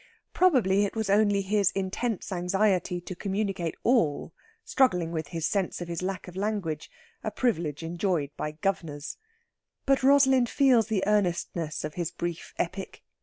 Probably it was only his intense anxiety to communicate all, struggling with his sense of his lack of language a privilege enjoyed by guv'nors. But Rosalind feels the earnestness of his brief epic.